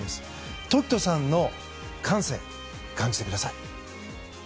凱人さんの感性感じてください。